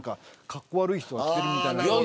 かっこわるい人が着てるみたいな。